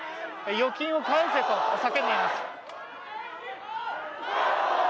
預金を返せと叫んでいます。